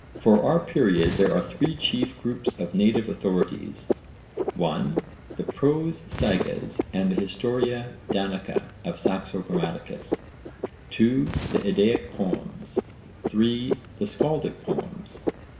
For our period there are three chief groups of native authorities: (1) the prose sagas and the Historia Danica of Saxo Grammaticus, (2) the eddaic poems, (3) the skaldic poems.